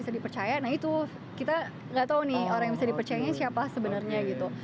bisa dipercaya nah itu kita nggak tahu nih orang yang bisa dipercayanya siapa sebenarnya gitu